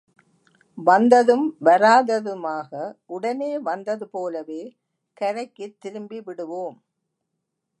வந்ததும் வராததுமாக, உடனே வந்தது போலவே கரைக்குத் திரும்பி விடுவோம்!